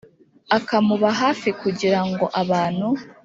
akamuba hafi kugira ngo abantu